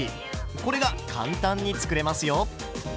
これが簡単に作れますよ。